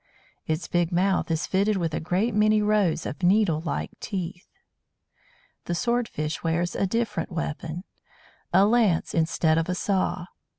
Its big mouth is fitted with a great many rows of needle like teeth. The Sword fish wears a different weapon a lance instead of a saw.